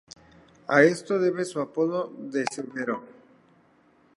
A esto debe su apodo de "severo".